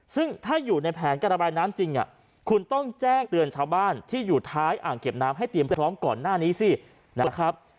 ซึ่งถ้าอยู่ในแผนการระบายน้ำจริงคุณต้องแจ้งเตือนชาวบ้านที่อยู่ท้ายอ่างเก็บน้ำให้เตรียมพร้อมก่อนหน้านี้สินะครับ